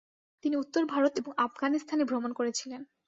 তিনি উত্তর ভারত এবং আফগানিস্তানে ভ্রমণ করেছিলেন।